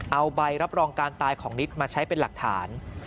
เอาใบรับรองการตายของนิดมาใช้เป็นหลักฐาน